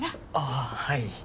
ああはい。